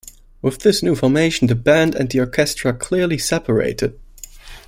With this new formation the band and the orchestra clearly separated.